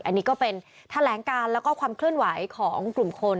อันนี้ก็เป็นแถลงการแล้วก็ความเคลื่อนไหวของกลุ่มคน